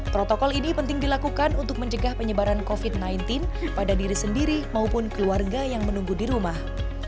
protokol ini penting dilakukan untuk mencegah penyebaran covid sembilan belas pada diri sendiri maupun keluarga yang menunggu di rumah